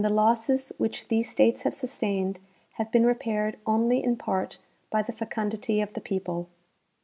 losses which these states have sustained have been repaired only in part by the fecundity of the people.